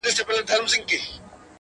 نه ښېرا نه کوم هغه څومره نازک زړه لري ـ